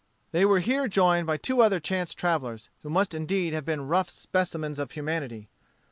They were here joined by two other chance travellers, who must indeed have been rough specimens of humanity.